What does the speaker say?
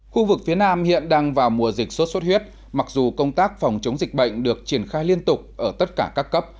khu vực phía nam hiện đang vào mùa dịch sốt xuất huyết mặc dù công tác phòng chống dịch bệnh được triển khai liên tục ở tất cả các cấp